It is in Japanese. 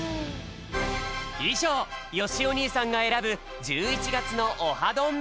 いじょうよしお兄さんがえらぶ１１がつのオハどん！